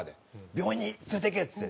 病院に連れて行けっつって。